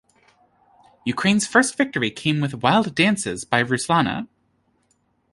Ukraine's first victory came in with "Wild Dances" by Ruslana.